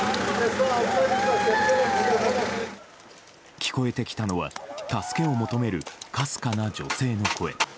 聞こえてきたのは助けを求めるかすかな女性の声。